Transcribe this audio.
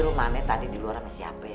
rum aneh tadi di luar sama si hp